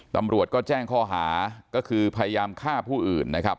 ตำรวจก็แจ้งข้อหาก็คือพยายามฆ่าผู้อื่นนะครับ